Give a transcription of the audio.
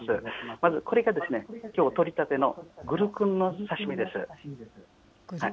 まず、これがきょう取れたてのグルクンの刺身です。